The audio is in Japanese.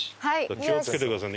気を付けてくださいね。